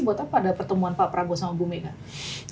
buat apa ada pertemuan pak prabowo sama bu mega